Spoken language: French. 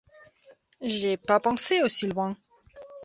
J'ai pas pensé aussi loin.